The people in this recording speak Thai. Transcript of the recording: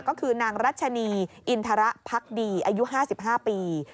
ก็คือนางรัชนีอินทรพักดีอายุ๕๕ปี